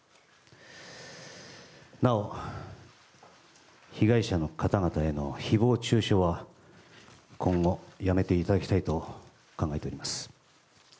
なお、被害者の方々への誹謗中傷は今後、やめていただきたいと考えております。